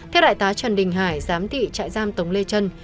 theo đại tá trần đình hải giám thị trại giam tống lê trân